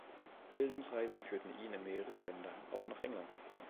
Bildungsreisen führten ihn in mehrere Länder, auch nach England.